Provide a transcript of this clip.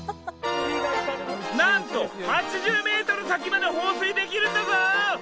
なんと８０メートル先まで放水できるんだぞ！